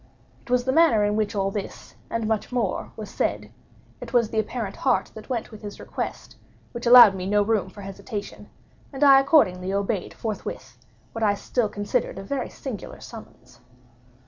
It was the manner in which all this, and much more, was said—it was the apparent heart that went with his request—which allowed me no room for hesitation; and I accordingly obeyed forthwith what I still considered a very singular summons.